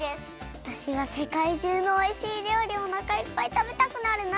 わたしはせかいじゅうのおいしいりょうりをおなかいっぱいたべたくなるな。